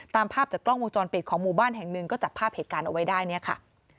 ตามภาพจากกล้องวงจรปิดของหมู่บ้านแห่งหนึ่งก็จับภาพเหตุการณ์เอาไว้ได้เนี่ยค่ะ